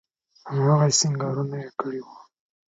هماغسې سينګارونه يې کړي وو.